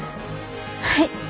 はい。